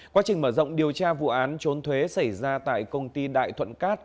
quá trình mở rộng điều tra vụ án trốn thuế xảy ra tại công ty đại thuận cát